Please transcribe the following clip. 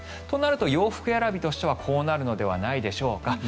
となると、洋服選びとしてはこうなるのではないでしょうか。